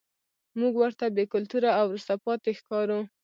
موږ ورته بې کلتوره او وروسته پاتې ښکارو.